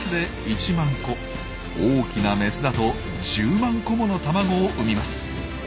大きなメスだと１０万個もの卵を産みます。